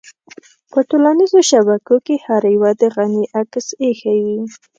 په ټولنيزو شبکو کې هر يوه د غني عکس اېښی وي.